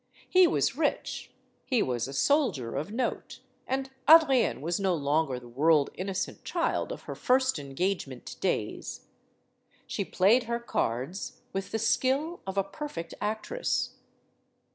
He was rich; he was a soldier of note; and Adrienne was no longer the world innocent child of her first engagement 120 STORIES OF THE SUPER WOMEN days. She played her cards with the skill of a perfect actress.